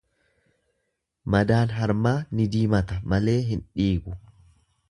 Madaan harmaa ni diimata malee hin dhiigu.